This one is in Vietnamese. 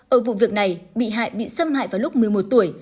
ở vụ việc này bị hại bị xâm hại vào lúc một mươi một tuổi